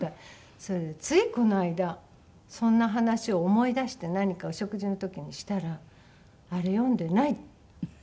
それでついこの間そんな話を思い出して何かお食事の時にしたら「あれ読んでない」って言われて。